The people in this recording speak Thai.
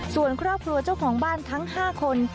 ส่วนครอบครัวเจ้าของบ้านทั้ง๕คน